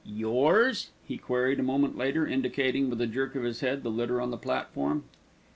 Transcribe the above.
"Yours?" he queried a moment later, indicating with a jerk of his head the litter on the platform.